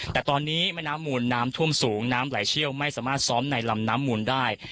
แต่ตอนนี้แม่น้ำมูลน้ำท่วมสูงน้ำไหลเชี่ยวไม่สามารถซ้อมในลำน้ำมูลได้